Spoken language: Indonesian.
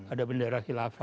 ada bendera khilafah